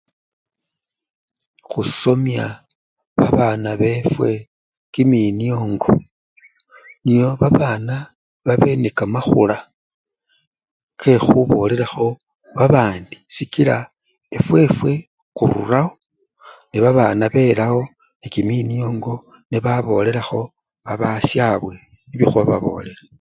Khusomya babana befwe kiminiongo nio babana babe nekamakhula kekhubolelakho babandi sikila efwefwe khururawo nebabana belawo nekiminiongo nebabolelakho babasyabwe nibyo khwababolela.